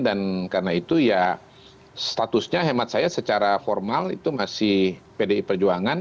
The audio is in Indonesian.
dan karena itu ya statusnya hemat saya secara formal itu masih pdi perjuangan